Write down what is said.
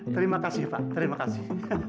terima kasih pak terima kasih